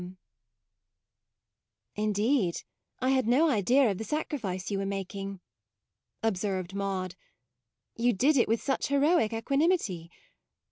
28 MAUDE "Indeed I had no idea of the sacri fice you were making," observed Maude ; you did it with such heroic equanimity.